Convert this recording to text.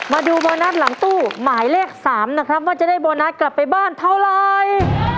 มาดูโบนัสหลังตู้หมายเลข๓นะครับว่าจะได้โบนัสกลับไปบ้านเท่าไร